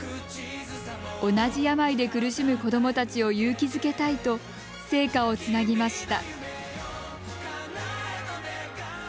同じ病で苦しむ子どもたちを勇気づけたいと聖火をつなぎました。